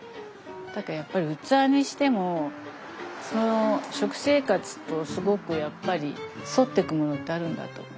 だからやっぱり器にしてもその食生活とすごくやっぱり沿ってくものってあるんだと思う。